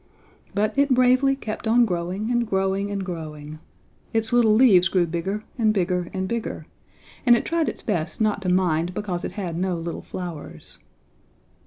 But it bravely kept on growing and growing and growing. Its little leaves grew bigger and bigger and bigger, and it tried its best not to mind because it had no little flowers.